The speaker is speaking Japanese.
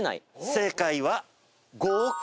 正解は。